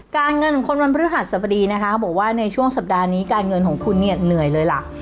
การเงินของคนวันพฤหัสสบดีนะคะเขาบอกว่าในช่วงสัปดาห์นี้การเงินของคุณเนี่ยเหนื่อยเลยล่ะ